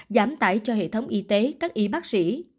giảm tải cho hệ thống y tế các y bác sĩ